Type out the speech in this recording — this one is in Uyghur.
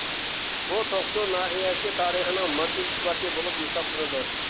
بۇ توقسۇ ناھىيەسى تارىخىنىڭ ماددىي ئىسپاتى بولۇپ ھېسابلىنىدۇ.